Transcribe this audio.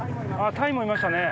タイもいましたね。